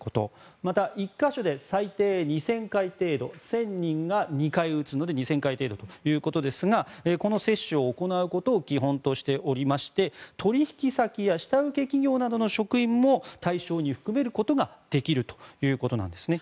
また、１か所で最低２０００か所程度１０００人が２回打つので２０００回程度ということですがこの接種を行うことを基本としておりまして取引先や下請け企業などの職員も対象に含めることができるということなんですね。